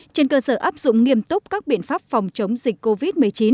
trên cơ sở áp dụng nghiêm túc các biện pháp phòng chống dịch covid một mươi chín